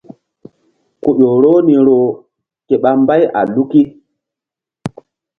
Ku ƴo roh ni roh ke ɓa mbay a luki.